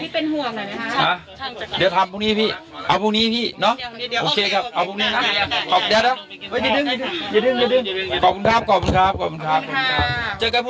ขอถือใจครับพี่เป็นห่วงหน่อยครับ